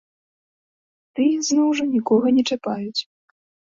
Тыя, зноў жа, нікога не чапаюць.